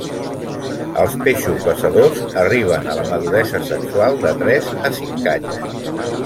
Els peixos besadors arriben a la maduresa sexual de tres a cinc anys.